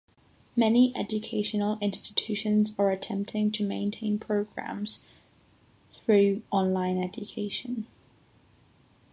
Many educational institutions are attempting to maintain programs through online education.